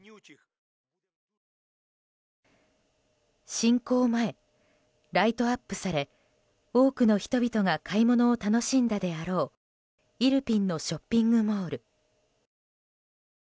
侵攻前、ライトアップされ多くの人々が買い物を楽しんだであろうイルピンのショッピングモール。